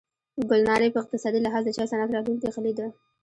ګلنارې په اقتصادي لحاظ د چای صنعت راتلونکې ښه لیده.